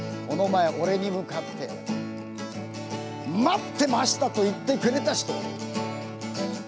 この前俺に向かって「待ってました！」と言ってくれた人。